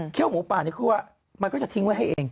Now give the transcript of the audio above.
หมูป่านี่คือว่ามันก็จะทิ้งไว้ให้เอง